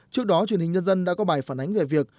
trước đó truyền hình nhân dân đã có bài phản ánh về việc